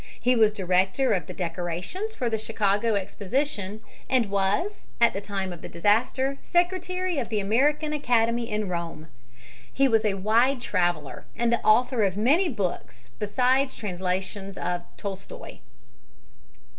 He was director of the decorations for the Chicago Exposition and was, at the time of the disaster, secretary of the American Academy in Rome. He was a wide traveler and the author of many books, besides translations of Tolstoi.